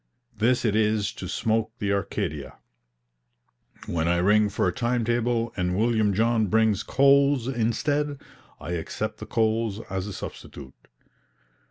This it is to smoke the Arcadia. When I ring for a time table and William John brings coals instead, I accept the coals as a substitute.